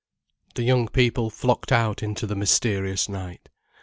The young people flocked out into the mysterious night.